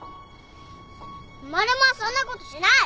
マルモはそんなことしない。